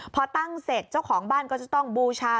พอตั้งเสร็จเจ้าของบ้านก็จะต้องบูชา